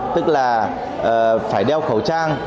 tức là phải đeo khẩu trang